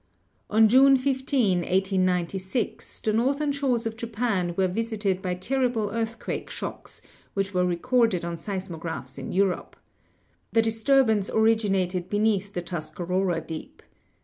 "On June 15, 1896, the northern shores of Japan were visited by terrible earthquake shocks, which were recorded on seismographs in Europe. The disturbance originated beneath the Tuscarora Deep.